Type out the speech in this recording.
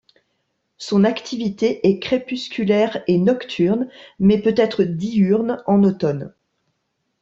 Son activité est crépusculaire et nocturne mais peut être diurne en automne.